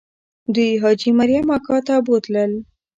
دوی حاجي مریم اکا ته بوتلل.